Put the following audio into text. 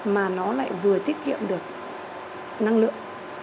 mà nó lại vừa tiết kiệm được năng lượng